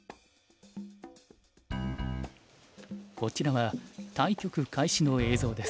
こちらは対局開始の映像です。